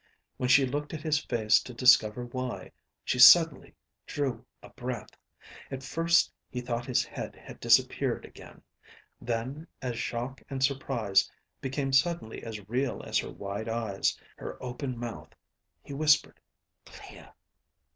When she looked at his face to discover why, she suddenly drew a breath. At first he thought his head had disappeared again. Then, as shock and surprise became suddenly as real as her wide eyes, her open mouth, he whispered, "Clea!"